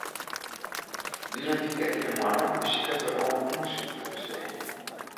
Ien wike yn 'e moanne besiket er oan ûndersyk te besteegjen.